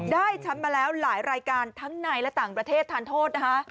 แชมป์มาแล้วหลายรายการทั้งในและต่างประเทศทานโทษนะคะ